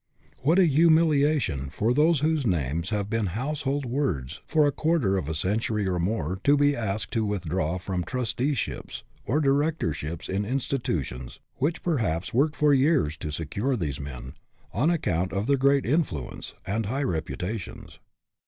What a humiliation for those whose names have been household words for a quarter of a century or more to be asked to withdraw from trusteeships or directorships in institu tions which perhaps worked for years to secure these men, on account of their great influence, and high reputations.